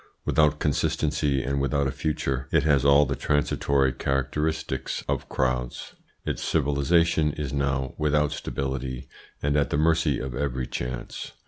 Without consistency and without a future, it has all the transitory characteristics of crowds. Its civilisation is now without stability, and at the mercy of every chance.